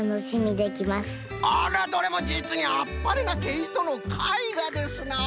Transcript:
あらどれもじつにあっぱれなけいとのかいがですな！